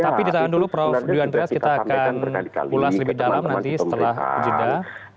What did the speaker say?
tapi di tangan dulu prof andreas kita akan ulas lebih dalam nanti setelah berjeda